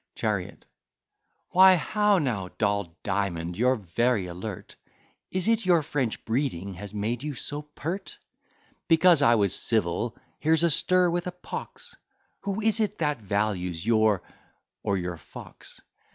CHARIOT Why, how now, Doll Diamond, you're very alert; Is it your French breeding has made you so pert? Because I was civil, here's a stir with a pox: Who is it that values your or your fox?